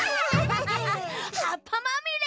はっぱまみれ！